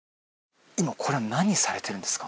今これは何されてるんですか？